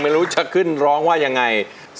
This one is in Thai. ไม่รู้จะขึ้นร้องว่ายังไง